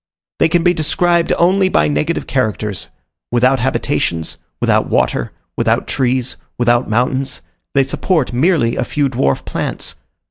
They can be described only by negative characters; without habitations, without water, without trees, without mountains, they support merely a few dwarf plants.